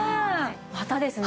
またですね